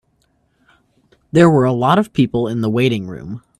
There were a lot of people in the waiting room.